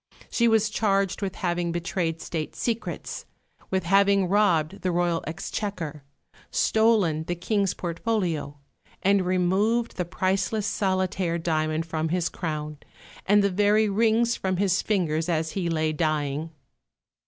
She was charged with having betrayed State secrets; with having robbed the Royal Exchequer; stolen the King's portfolio; and removed the priceless solitaire diamond from his crown, and the very rings from his fingers as he lay dying.